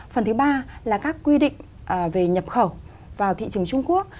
phần thứ ba là các quy định về nhập khẩu vào thị trường trung quốc